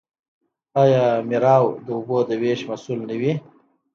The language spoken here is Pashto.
آیا میرآب د اوبو د ویش مسوول نه وي؟